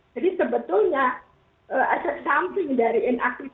jadi sebetulnya aset samping dari inaktif